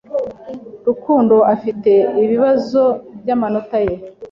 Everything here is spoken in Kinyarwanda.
Rukundo afite ibibazo byamanota ye.